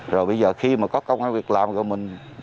rồi bây giờ khi mà có công an việc làm rồi mình hoạt động